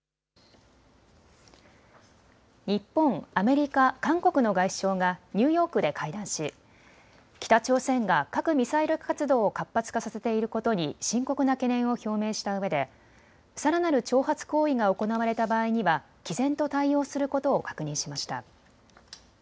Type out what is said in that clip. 日本、アメリカ、韓国の外相がニューヨークで会談し北朝鮮が核・ミサイル活動を活発化させていることに深刻な懸念を表明したうえでさらなる挑発行為が行われた場合にはきぜんと対応することを確認しました。